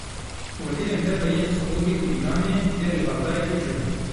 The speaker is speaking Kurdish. Wezîrên derve yên Siûdî û Îranê dê li Bexdayê bicivin.